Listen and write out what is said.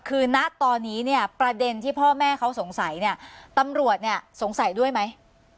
คือณตอนนี้เนี่ยประเด็นที่พ่อแม่เขาสงสัยเนี่ยตำรวจเนี่ยสงสัยด้วยไหม